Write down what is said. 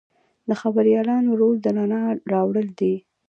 د خبریالانو رول د رڼا راوړل دي.